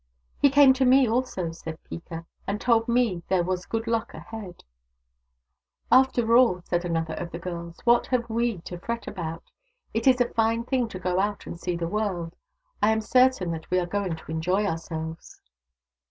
" He came to me, also," said Peeka, " and told me there was good luck ahead." THE DAUGHTERS OF WONKAWALA 169 " After all," said another of the girls, " what have we to fret about ? It is a fine thing to go out and see the world. I am certain that we are going to enjoy ourselves."